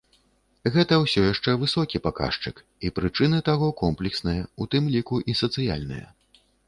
Гэта ўсё яшчэ высокі паказчык, і прычыны таго комплексныя, у тым ліку, і сацыяльныя.